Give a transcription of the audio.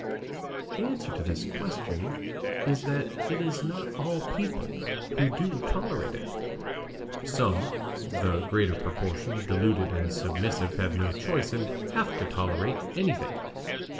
The answer to this question is that it is not all people who do tolerate it (some the greater proportion deluded and submissive, have no choice and have to tolerate anything).